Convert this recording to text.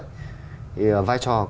thì vai trò của chúng ta